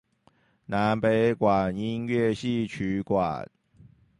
南北管音樂戲曲館